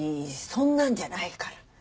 そんなんじゃないから。